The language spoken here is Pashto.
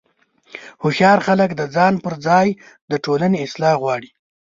هوښیار خلک د ځان پر ځای د ټولنې اصلاح غواړي.